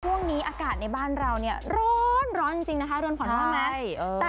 ช่วงนี้อากาศในบ้านเราเนี่ยร้อนจริงนะคะเรือนขวัญว่าไหม